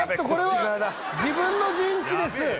これは自分の陣地です